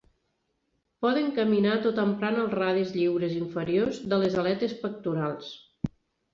Poden caminar tot emprant els radis lliures inferiors de les aletes pectorals.